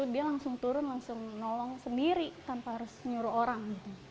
dia langsung turun langsung nolong sendiri tanpa harus nyuruh orang